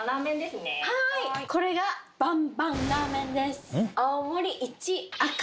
はいこれがバンバンラーメンです。